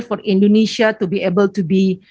untuk indonesia bisa menjadi